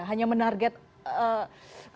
hanya menarget orang orang tertentu saja